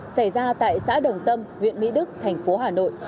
xảy ra tại xã đồng tâm huyện mỹ đức tp hà nội